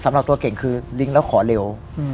สำหรับตัวเก่งคือลิงก์แล้วขอเร็ว